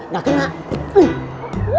gak kena lagi